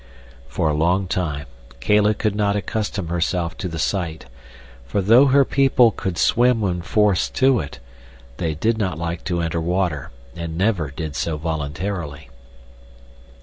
For a long time Kala could not accustom herself to the sight; for though her people could swim when forced to it, they did not like to enter water, and never did so voluntarily.